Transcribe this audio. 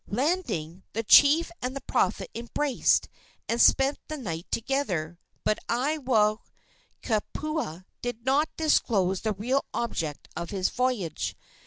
Landing, the chief and prophet embraced, and spent the night together, but Aiwohikupua did not disclose the real object of his voyage.